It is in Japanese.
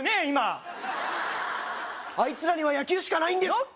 今あいつらには野球しかないんです